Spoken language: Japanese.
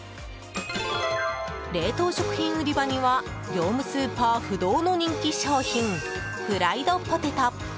冷凍食品売り場には業務スーパー不動の人気商品フライドポテト。